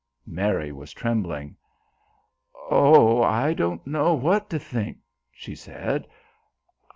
Mary was trembling. "Oh, I don't know what to think," she said.